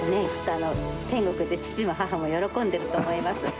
天国で父も母も喜んでると思います。